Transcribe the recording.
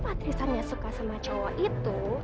patristan nggak suka sama cowok itu